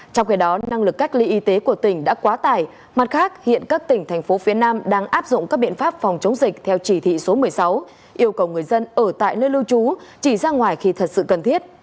trong khi đó năng lực cách ly y tế của tỉnh đã quá tải mặt khác hiện các tỉnh thành phố phía nam đang áp dụng các biện pháp phòng chống dịch theo chỉ thị số một mươi sáu yêu cầu người dân ở tại nơi lưu trú chỉ ra ngoài khi thật sự cần thiết